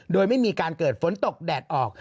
โดยไม่มีการเกิดฝนตกแดดออก